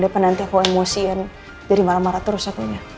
depan nanti aku emosian jadi marah marah terus aku ya